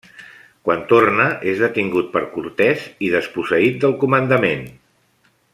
Quan torna és detingut per Cortés i desposseït del comandament.